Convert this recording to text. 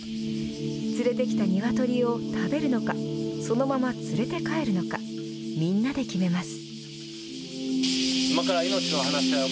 連れてきた鶏を食べるのかそのまま連れて帰るのかみんなで決めます。